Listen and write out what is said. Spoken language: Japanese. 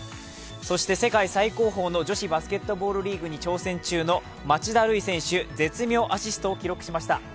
そして世界最高峰の女子バスケットボールリーグに挑戦中の町田瑠唯選手、絶妙アシストを記録しました。